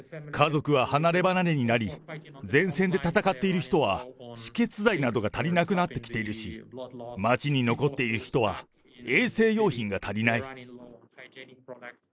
家族は離れ離れになり、前線で戦っている人は、止血剤などが足りなくなってきているし、街に残っている人は、衛生用品が足りない。